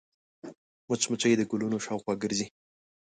مچمچۍ د ګلونو شاوخوا ګرځي